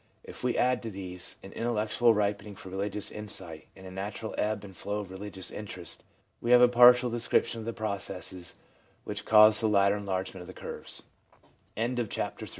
If we add to these an intellectual ripening for religious insight and a natural ebb and flow of religious interest, we have a partial description of the processes which cause the later en largemen